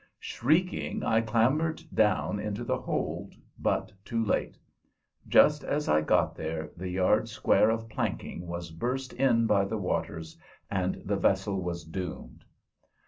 Shrieking, I clambered down into the hold, but too late. Just as I got there the yard square of planking was burst in by the waters, and the vessel was doomed.